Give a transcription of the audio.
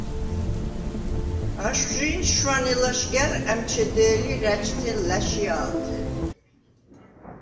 აშხვჟი̄ნ შვანე ლაშგა̈რ ა̈მჩედე̄ლი რაჭთე ლა̈შია̄ლთე.